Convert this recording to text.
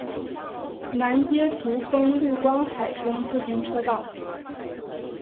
南接竹风绿光海风自行车道。